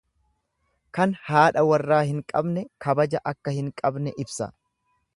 Kan haadha warraa hin qabne kabaja akka hin qabne ibsa.